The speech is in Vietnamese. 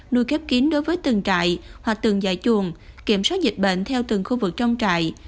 nuôi kép kín đối với từng trại hoặc từng dạy chuồng kiểm soát dịch bệnh theo từng khu vực trong trại